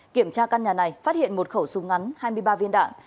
kiểm tra căn nhà này phát hiện một khẩu súng ngắn hai mươi ba viên đạn